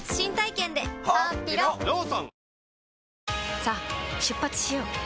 さあ出発しよう。